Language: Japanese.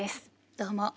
どうも。